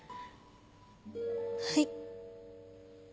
はい。